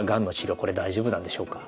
これ大丈夫なんでしょうか？